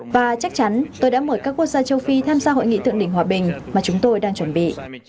và chắc chắn tôi đã mời các quốc gia châu phi tham gia hội nghị thượng đỉnh hòa bình mà chúng tôi đang chuẩn bị